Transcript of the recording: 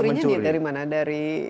dulu mencurinya dari mana dari